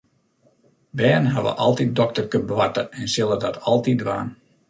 Bern hawwe altyd dokterkeboarte en sille dat altyd dwaan.